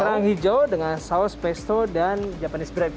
kerang hijau dengan saus pesto dan japanese breadcrumb